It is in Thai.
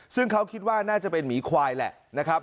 ซึ่งเขาคิดว่าน่าจะเป็นหมีควายแหละนะครับ